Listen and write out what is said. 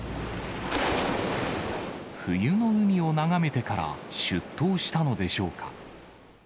冬の海を眺めてから出頭したのでしょうか。